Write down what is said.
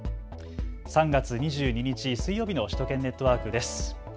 ３月２２日、水曜日の首都圏ネットワークです。